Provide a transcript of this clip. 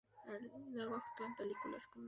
Luego actuó en películas de comedia.